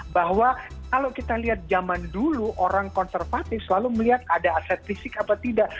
bahwa kalau kita lihat zaman dulu orang konservatif selalu melihat ada aset fisik apa tidak